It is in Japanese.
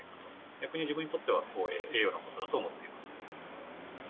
逆に自分にとっては光栄、栄誉なことだと思っています。